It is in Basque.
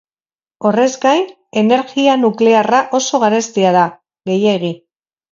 Horrez gain, energia nuklearra oso garestia da, gehiegi.